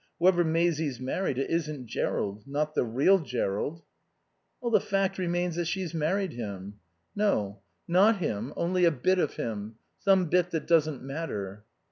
Whoever Maisie's married it isn't Jerrold. Not the real Jerrold." "The fact remains that she's married him." "No. Not him. Only a bit of him. Some bit that doesn't matter."